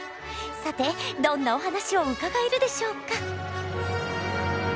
さてどんなお話を伺えるでしょうか。